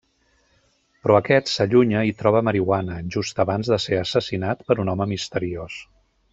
Però aquest s'allunya i troba marihuana, just abans de ser assassinat per un home misteriós.